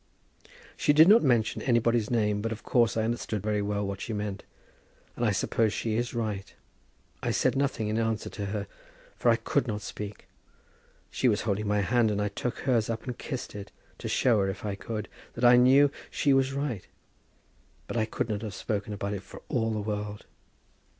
She did not mention anybody's name, but of course I understood very well what she meant; and I suppose she is right. I said nothing in answer to her, for I could not speak. She was holding my hand, and I took hers up and kissed it, to show her, if I could, that I knew that she was right; but I could not have spoken about it for all the world.